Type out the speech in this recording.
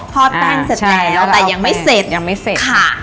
ทอดแป้งเสร็จแล้วแต่ยังไม่เสร็จค่ะ